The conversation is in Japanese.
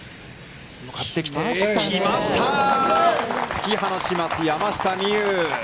突き放します、山下美夢有。